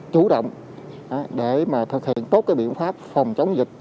chủ động để mà thực hiện tốt cái biện pháp phòng chống dịch